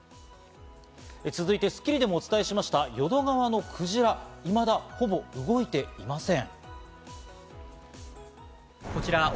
続いて、『スッキリ』でもお伝えしました、淀川のクジラ、いまだほぼ動いていません。